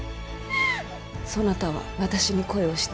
そなたは私に恋をしておるか。